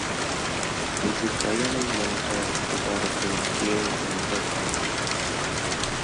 இது கயமை என்ற அதிகாரத்தின் கீழ் வந்த ஒன்று.